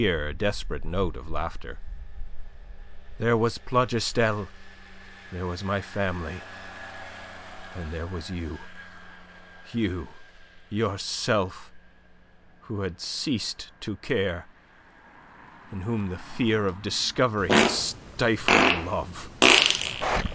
It was a queer, desperate note of laughter. "There was Plougastel; there was my family. And there was you... you, yourself, who had ceased to care, in whom the fear of discovery had stifled love.